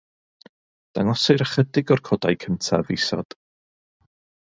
Dangosir ychydig o'r codau cyntaf isod.